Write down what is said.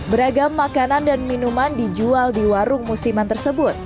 beragam makanan dan minuman dijual di warung musiman tersebut